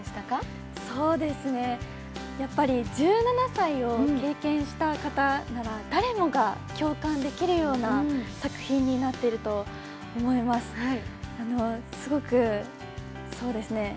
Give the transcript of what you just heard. １７歳を経験した方なら誰もが共感できるような作品になっていると思います。